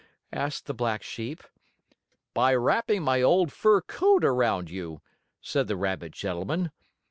asked the black sheep. "By wrapping my old fur coat around you," said the rabbit gentleman.